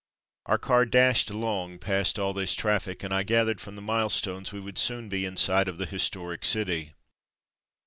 Our car dashed along past all this traffic, and I gathered from the milestones that we would soon be in sight of the historic city.